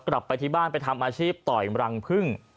กลับไปที่บ้านไปทำอาชีพต่อยรังพึ่ง